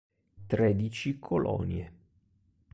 Tredici colonie